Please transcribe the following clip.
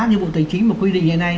như bộ tài chính mà quy định hiện nay